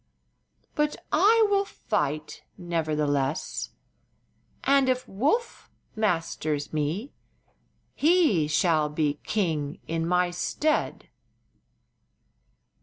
But I will fight, nevertheless, and if Woof masters me he shall be king in my stead."